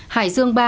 hải dương ba